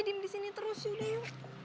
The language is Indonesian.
diam disini terus yuk yuk